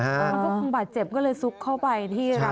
มันก็บาดเจ็บก็เลยซุกเข้าไปที่รักใหม่นะ